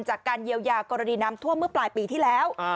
จากการเยียวยากรณีน้ำท่วมเมื่อปลายปีที่แล้ว